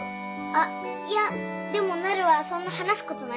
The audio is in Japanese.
あっいやでもなるはそんな話すことないし。